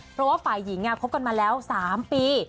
เพราะว่าฝ่ายหญิงคบกันมาแล้ว๓ปี